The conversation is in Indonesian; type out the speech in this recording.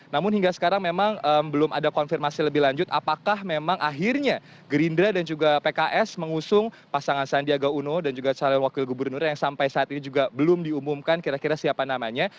namun hingga sekarang memang belum ada konfirmasi lebih lanjut apakah memang akhirnya gerindra dan juga pks mengusung pasangan sandiaga uno dan juga calon wakil gubernur yang sampai saat ini juga belum diumumkan kira kira siapa namanya